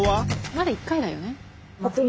まだ１回だよね。